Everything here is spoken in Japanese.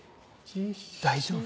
大丈夫？